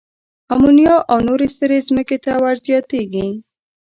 آمونیا او نورې سرې ځمکې ته ور زیاتیږي.